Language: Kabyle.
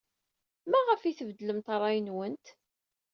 Maɣef ay tbeddlemt ṛṛay-nwent?